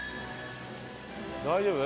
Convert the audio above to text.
大丈夫？